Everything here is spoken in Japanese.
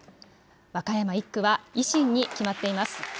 和歌山１区は維新に決まっています。